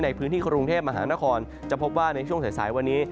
ในพื้นที่กรุงเทพมหานครจะพบว่าในช่วงสายวันนี้